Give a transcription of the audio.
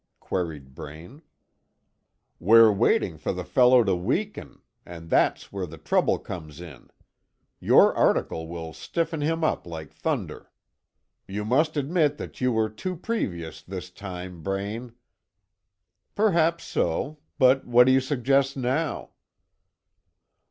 queried Braine. "We're waiting for the fellow to weaken, and that's where the trouble comes in. Your article will stiffen him up like thunder. You must admit that you were too previous this time, Braine." "Perhaps so. But what do you suggest now?"